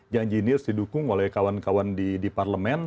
janji ini harus didukung oleh kawan kawan di parlemen